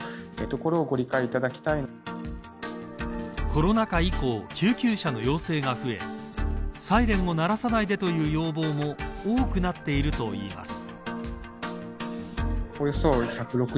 コロナ禍以降救急車の要請が増えサイレンを鳴らさないでという要望も多くなっているといいます。